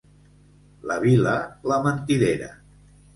La Vila, la mentidera.